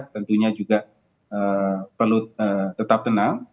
tentunya juga perlu tetap tenang